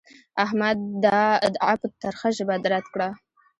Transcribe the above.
احمد دا ادعا په ترخه ژبه رد کړه.